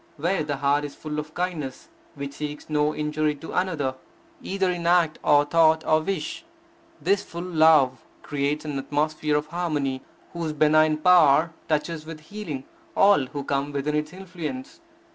Where the heart is full of kindness which seeks no injury to another, either in act or thought or wish, this full love creates an atmosphere of harmony, whose benign power touches with healing all who come within its influence.